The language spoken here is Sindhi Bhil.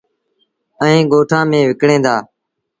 ائيٚݩ ڳوٚٺآن ميݩ وڪڻيٚن دآ۔